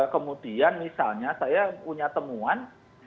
kemudian misalnya saya punya temuan